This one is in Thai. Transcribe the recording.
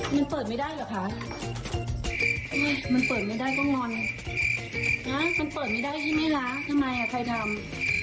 มันเปิดไม่ได้เหรอคะมันเปิดไม่ได้ก็งอนมันเปิดไม่ได้ที่ไม่ล้าทำไมคะใครทำ